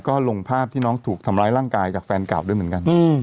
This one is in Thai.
ก็ลงภาพที่น้องถูกทำร้ายร่างกายจากแฟนเก่าด้วยเหมือนกัน